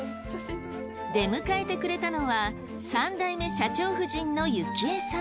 出迎えてくれたのは三代目社長夫人の由紀恵さん。